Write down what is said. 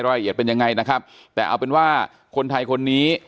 ละเอียดเป็นยังไงนะครับแต่เอาเป็นว่าคนไทยคนนี้